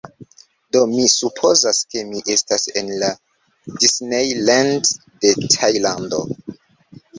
Do, mi supozas, ke mi estas en la Disney Land de Tajlando